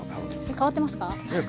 変わってますか？